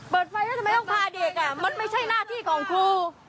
เปิดไฟแล้วทำไมต้องพาเด็กมันไม่ใช่หน้าที่ของครู